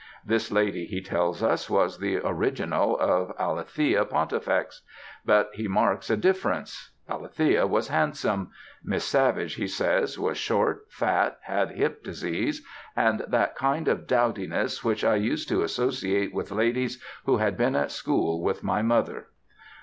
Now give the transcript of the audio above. This lady, he tells us, was the original of Alethea Pontifex. But he marks a difference. Alethea was handsome. Miss Savage, he says, was short, fat, had hip disease, and "that kind of dowdiness which I used to associate with ladies who had been at school with my mother."